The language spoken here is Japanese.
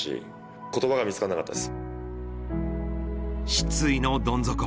失意のどん底。